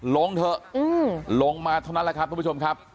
ลงเถอะลงมาเท่านั้นแหละครับทุกผู้ชมครับ